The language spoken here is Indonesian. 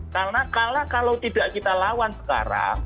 karena kalau tidak kita lawan sekarang